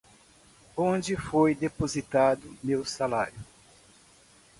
Onde foi depositado meu salário?